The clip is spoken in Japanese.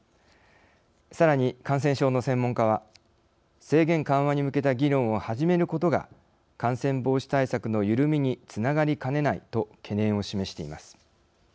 さらに感染症の専門家は制限緩和に向けた議論を始めることが感染防止対策の緩みにつながりかねないと懸念を示しています。